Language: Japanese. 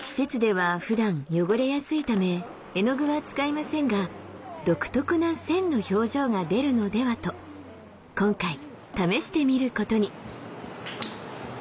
施設ではふだん汚れやすいため絵の具は使いませんが独特な「線」の表情が出るのではと今回試してみることに。